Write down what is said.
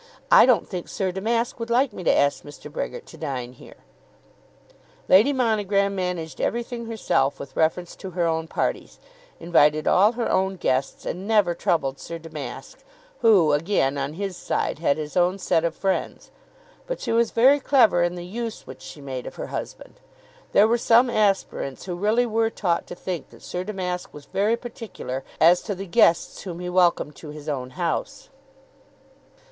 I don't think Sir Damask would like me to ask Mr. Brehgert to dine here." Lady Monogram managed everything herself with reference to her own parties; invited all her own guests, and never troubled Sir Damask, who, again, on his side, had his own set of friends; but she was very clever in the use which she made of her husband. There were some aspirants who really were taught to think that Sir Damask was very particular as to the guests whom he welcomed to his own house.